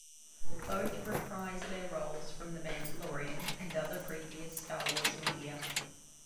Both reprise their roles from "The Mandalorian" and other previous "Star Wars" media.